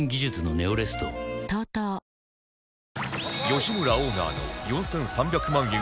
吉村オーナーの４３００万円